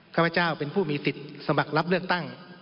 ข้าพเจ้าเป็นผู้มีสิทธิ์สมัครรับเลือกตั้ง